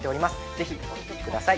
ぜひお聞きください。